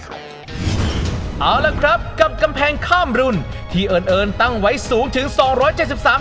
เอาละครับกับกำแพงข้ามรุ่นที่เอิญเอิญตั้งไว้สูงถึงสองร้อยเจ็ดสิบสาม